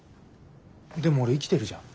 でも俺生きてるじゃん。